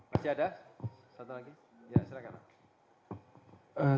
masih ada satu lagi ya silakan